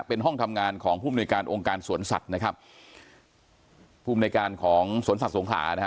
เป็นห้องทำงานของผู้มนุยการองค์การสวนสัตว์นะครับภูมิในการของสวนสัตว์สงขลานะฮะ